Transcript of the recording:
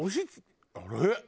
あれ？